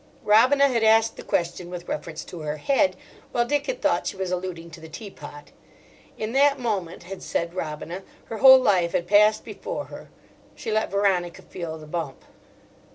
Robina had asked the question with reference to her head, while Dick had thought she was alluding to the teapot. In that moment, had said Robina, her whole life had passed before her. She let Veronica feel the bump.